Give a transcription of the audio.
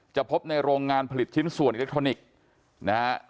พบในโรงงานผลิตชิ้นส่วนอิเล็กทรอนิกส์นะฮะ